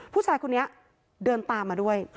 ผู้ชายคนนี้เดินตามมาด้วย